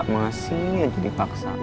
masih aja dipaksa